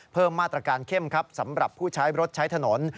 เพิ่มมาตรการเข้มครับสำหรับผู้ใช้รถใช้ถนน